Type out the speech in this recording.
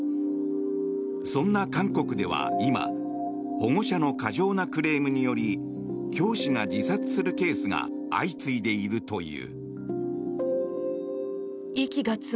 そんな韓国では今保護者の過剰なクレームにより教師が自殺するケースが相次いでいるという。